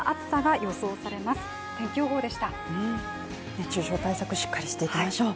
熱中症対策、しっかりしていきましょう。